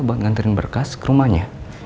buat mengant kindsali di rumahnya